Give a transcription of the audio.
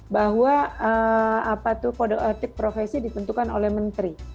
bahwa kode etik profesi ditentukan oleh menteri